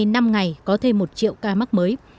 năm ngày có thêm một triệu ca mắc mới